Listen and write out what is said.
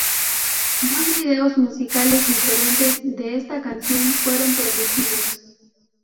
Dos vídeos musicales diferentes de esta canción fueron producidos.